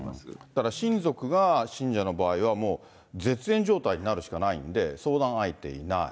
だから親族が信者の場合は、もう絶縁状態になるしかないんで、相談相手いない。